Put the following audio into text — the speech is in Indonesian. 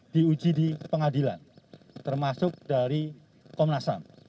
diuji di pengadilan termasuk dari komnas ham